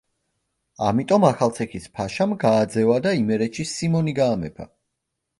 ამიტომ ახალციხის ფაშამ გააძევა და იმერეთში სიმონი გაამეფა.